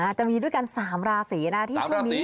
จะมีด้วยกัน๓ราศีนะที่ช่วงนี้